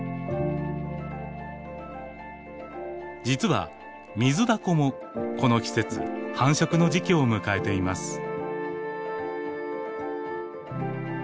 実はミズダコもこの季節繁殖の時期を迎えています。